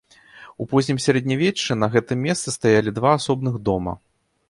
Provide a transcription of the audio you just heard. У познім сярэднявеччы на гэтым месцы стаялі два асобных дома.